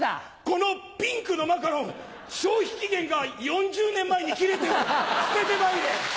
このピンクのマカロン消費期限が４０年前に切れてる捨ててまいれ！